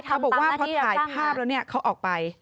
เขาบอกว่าพอถ่ายภาพแล้วเขาออกไป